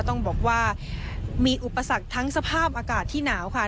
ต้องบอกว่ามีอุปสรรคทั้งสภาพอากาศที่หนาวค่ะ